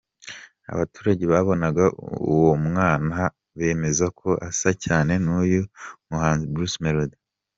Abaturage babonaga uwo mwana, bemezaga ko asa cyane n'uyu muhanzi Bruce Melodie.